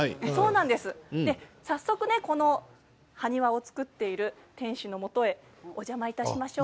早速この埴輪を作っている店主のもとへお邪魔いたしましょう。